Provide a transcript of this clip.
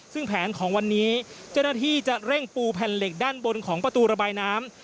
ซึ่งแผนของวันนี้เจ้าหน้าที่จะเร่งปูแผ่นเหล็กด้านบนของประตูระบายน้ำ